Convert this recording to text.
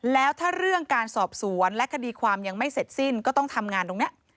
แล้วถ้าเรื่องการสอบสวนและคดีความยังไม่เสร็จสิ้นก็ต้องทำงานตรงนี้